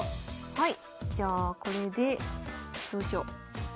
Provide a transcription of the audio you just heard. はい。